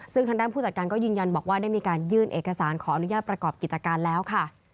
ซึ่งทางด้านผู้จัดการก็ยืนยันบอกว่าได้มีการยื่นเอกสารขออนุญาตประกอบกิจการแล้วค่ะ